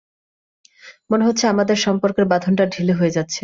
মনে হচ্ছে, আমাদের সম্পর্কের বাঁধনটা ঢিলে হয়ে যাচ্ছে!